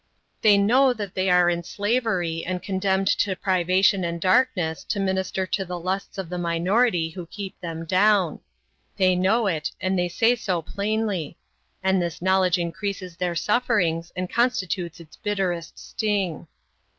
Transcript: They know that they are in slavery and condemned to privation and darkness to minister to the lusts of the minority who keep them down. They know it, and they say so plainly. And this knowledge increases their sufferings and constitutes its bitterest sting.